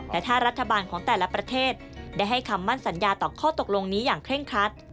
และถ้ารัฐบาลของแต่ละประเทศได้ให้คำมั่นสัญญาต่อข้อตกลงนี้อย่างเคร่งครัด